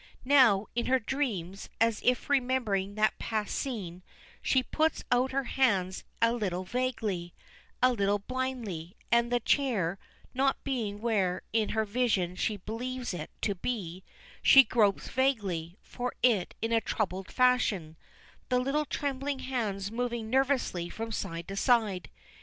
Now, in her dreams, as if remembering that past scene, she puts out her hands a little vaguely, a little blindly, and, the chair not being where in her vision she believes it to be, she gropes vaguely for it in a troubled fashion, the little trembling hands moving nervously from side to side.